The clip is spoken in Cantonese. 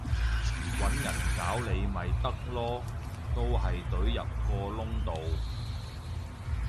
搵人搞你咪得囉，都係隊入個窿度